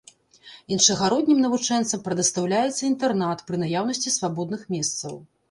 Іншагароднім навучэнцам прадастаўляецца інтэрнат пры наяўнасці свабодных месцаў.